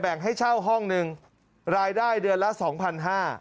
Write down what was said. แบ่งให้เช่าห้องนึงรายได้เดือนละ๒๕๐๐บาท